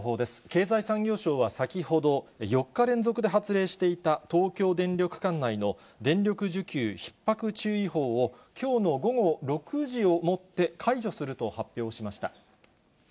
経済産業省は先ほど、４日連続で発令していた、東京電力管内の電力需給ひっ迫注意報を、きょうの午後６時をもって解除すると発表しました。